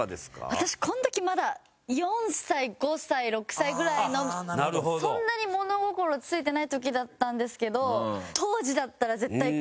私この時まだ４歳５歳６歳ぐらいのそんなに物心ついてない時だったんですけど。